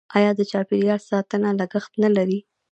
آیا د چاپیریال ساتنه لګښت نلري؟